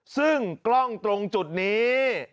ซึ่งกล้องตรงจุดนี้